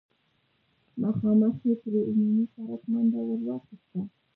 مخامخ يې پر عمومي سړک منډه ور واخيسته.